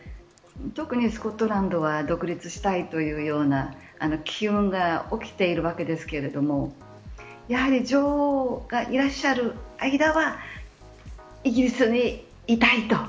特にスコットランドは独立したいというような気運が起きているわけですがやはり女王がいらっしゃる間はイギリスにいたいと。